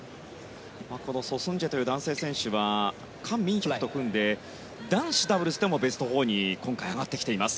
ソ・スンジェという男性選手はカン・ミンヒョクと組んで男子ダブルスでもベスト４に今回上がってきています。